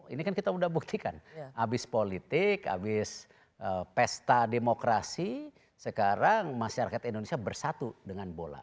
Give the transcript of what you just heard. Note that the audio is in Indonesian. ini kan kita sudah buktikan habis politik habis pesta demokrasi sekarang masyarakat indonesia bersatu dengan bola